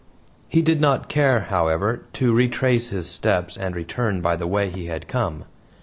He did not care, however, to retrace his steps and return by the way he had come.